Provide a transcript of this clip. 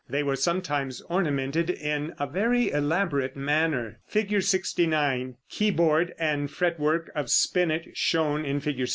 They were sometimes ornamented in a very elaborate manner. [Illustration: Fig. 69. KEYBOARD AND FRET WORK OF SPINET SHOWN IN FIG.